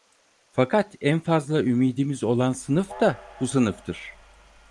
Fakat en fazla ümidimiz olan sınıf da bu sınıftır.